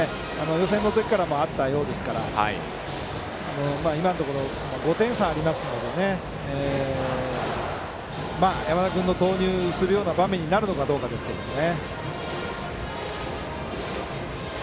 予選の時からもあったようですから今のところ５点差ありますので山田君を投入するような場面になるのかどうかですけどね。